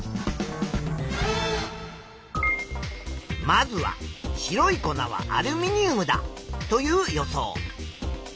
まずは白い粉はアルミニウムだという予想。